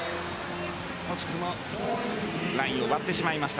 惜しくもラインを割ってしまいました。